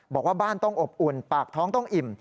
บอกว่าบ้านต้องอบอุ่นปากท้องต้องอิ่ม